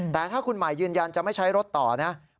แต่ถ้าคุณหมายยืนยันจะไม่ใช้รถต่อนะ